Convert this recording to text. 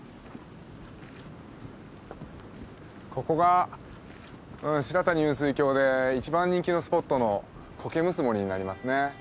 ここが白谷雲水峡で一番人気のスポットの「苔むす森」になりますね。